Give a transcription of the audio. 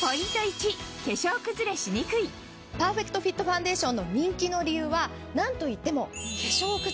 パーフェクトフィットファンデーションの人気の理由は何といっても。